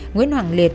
nguyễn hoàng liệt